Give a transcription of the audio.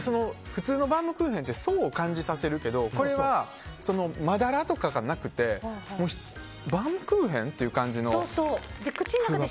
普通のバウムクーヘンって層を感じさせるけどこれは、まだらとかがなくてバウムクーヘン？という感じのふわふわぶり。